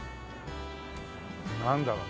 なんだろう？